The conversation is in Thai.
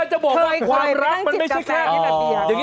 เฮ้ย